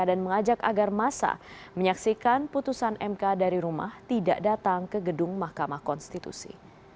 dan mengajak agar masa menyaksikan putusan mk dari rumah tidak datang ke gedung mahkamah konstitusi